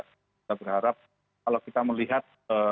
kita berharap kalau kita melihat